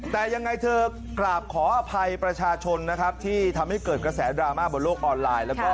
แต่ยังไงเธอกราบขออภัยประชาชนนะครับที่ทำให้เกิดกระแสดราม่าบนโลกออนไลน์